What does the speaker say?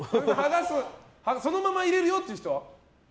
そのまま入れるよっていう人？